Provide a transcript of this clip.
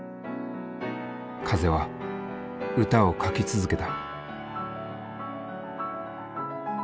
風は歌を書き続けた。